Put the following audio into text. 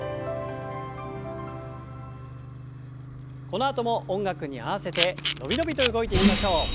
このあとも音楽に合わせて伸び伸びと動いていきましょう。